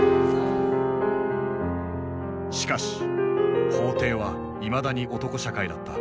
しかし法廷はいまだに男社会だった。